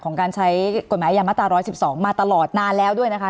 การใช้กฎหมายยามาตรา๑๑๒มาตลอดนานแล้วด้วยนะคะ